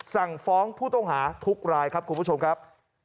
สั่งฟ้องผู้ต้องหาทุกรายครับคุณผู้ชมครับ